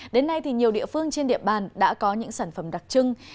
đến nay thì nhiều địa phương trên địa bàn đã có những sản phẩm đặc trưng